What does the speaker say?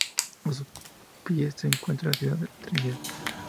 A sus pies se encuentra la ciudad de Trinidad.